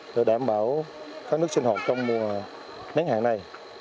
để đảm bảo các nước sinh hoạt trong mùa nắng hạn này